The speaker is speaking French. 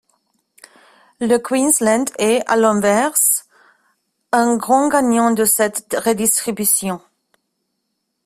Le Queensland est, à l’inverse, un grand gagnant de cette redistribution.